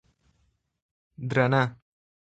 درنه